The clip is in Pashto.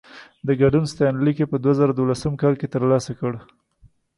د ګډون ستاینلیک يې په دوه زره دولسم کال کې ترلاسه کړ.